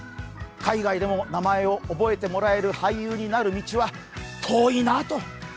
海外でも名前を覚えてもらえる俳優になる道は遠いなぁと。